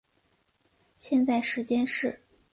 现在时间是。